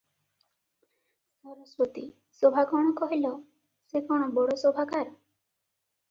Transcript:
ସରସ୍ୱତୀ - ଶୋଭା କଣ କହିଲ, ସେ କଣ ବଡ଼ ଶୋଭାକାର ।